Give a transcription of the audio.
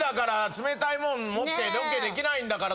冷たいもん持ってロケできないんだから。